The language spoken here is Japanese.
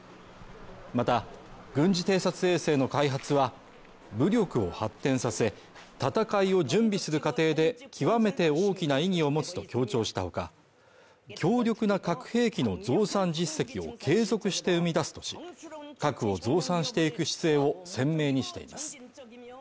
また、軍事偵察衛星の開発は、武力を発展させ戦いを準備する過程で、極めて大きな意義を持つと強調したほか、強力な核兵器の増産実績を継続して生み出すとし核を増産していく姿勢を鮮明にしています。